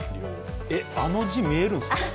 あの字見えるんですか？